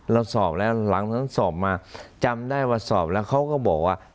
สอบแล้วหลังจากนั้นสอบมาจำได้ว่าสอบแล้วเขาก็บอกว่า